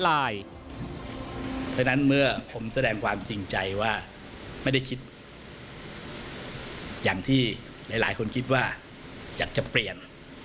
เพราะฉะนั้นเมื่อผมแสดงความจริงใจว่าไม่ได้คิดอย่างที่หลายคนคิดว่าอยากจะเปลี่ยน